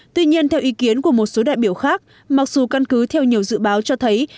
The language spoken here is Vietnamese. tuy nhiên theo ý kiến của một số đại biểu khác mặc dù căn cứ theo nhiều dự báo cho thấy